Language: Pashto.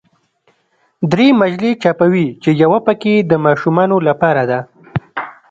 درې مجلې چاپوي چې یوه پکې د ماشومانو لپاره ده.